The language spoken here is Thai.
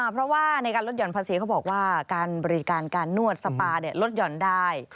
เพราะว่าในการลดห่อนภาษีเขาบอกว่าการบริการการนวดสปาลดหย่อนได้